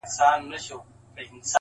• سړي وویل نه غواوي نه اوښان سته,